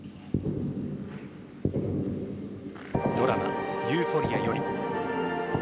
ドラマ「ユーフォリア」より。